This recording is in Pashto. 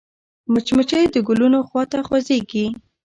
مچمچۍ د ګلونو خوا ته خوځېږي